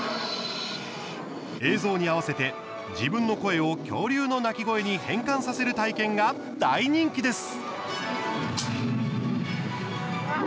映像に合わせて、自分の声を恐竜の鳴き声に変換させる体験が大人気です。